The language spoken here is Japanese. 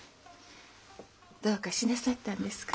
どうかしなさったんですか？